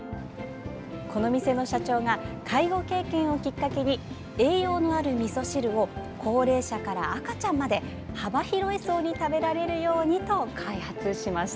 この店の社長が介護経験をきっかけに栄養のあるみそ汁を高齢者から赤ちゃんまで幅広い層に食べられるようにと開発しました。